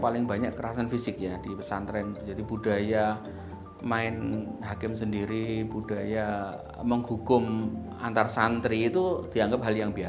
penggerikan kekuasaan ramai